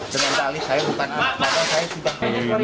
dengan tali saya bukan maka saya juga